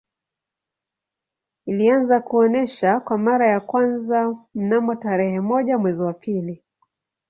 Ilianza kuonesha kwa mara ya kwanza mnamo tarehe moja mwezi wa pili